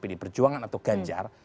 pilih berjuangan atau ganjar